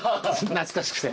懐かしくて。